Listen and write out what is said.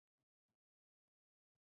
杨浩然生年不详。